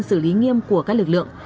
xử lý nghiêm của các lực lượng